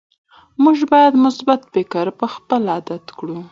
موږ باید مثبت فکر خپل عادت کړو